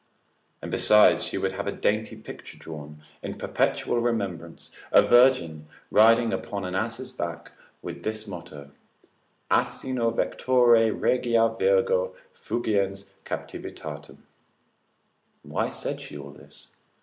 And besides she would have a dainty picture drawn, in perpetual remembrance, a virgin riding upon an ass's back with this motto, Asino vectore regia virgo fugiens captivitatem; why said she all this?